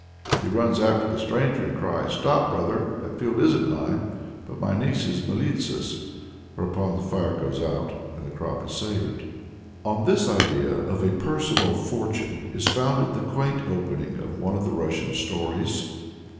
He runs after the stranger and cries, "Stop, brother! that field isn't mine, but my niece Militsa's," whereupon the fire goes out and the crop is saved. On this idea of a personal Fortune is founded the quaint opening of one of the Russian stories.